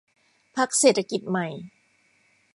พรรคเศรษฐกิจใหม่